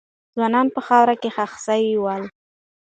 ځوانان په خاورو کې خښ سوي ول.